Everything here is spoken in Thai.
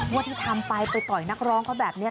ว่าที่ทำไปไปต่อยนักร้องเขาแบบนี้